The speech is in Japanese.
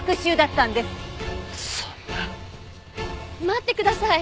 待ってください！